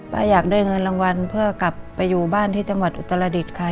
อยากได้เงินรางวัลเพื่อกลับไปอยู่บ้านที่จังหวัดอุตรดิษฐ์ค่ะ